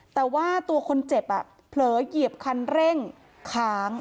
แต่ว่าตัวคนเจ็บเผลอเหยียบคันเร่งค้าง